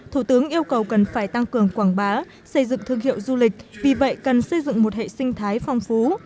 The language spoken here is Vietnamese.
thủ tướng yêu cầu cần phải tăng cường quảng bá xây dựng thương hiệu du lịch vì vậy cần xây dựng một hệ sinh thái phong phú